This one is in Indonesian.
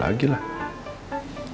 ya kamu kejar lagi